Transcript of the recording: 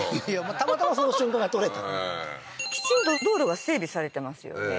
たまたまその瞬間が撮れたきちんと道路が整備されてますよね